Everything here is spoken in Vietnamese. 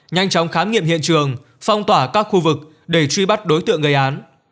nhanh chóng khám nghiệm hiện trường phong tỏa các khu vực để truy bắt đối tượng gây án